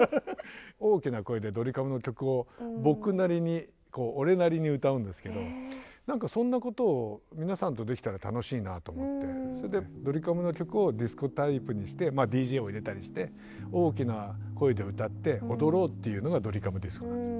大きな声でドリカムの曲を僕なりに俺なりに歌うんですけど何かそんなことを皆さんとできたら楽しいなと思ってそれでドリカムの曲をディスコタイプにしてＤＪを入れたりして大きな声で歌って踊ろうっていうのが「ドリカムディスコ」なんです。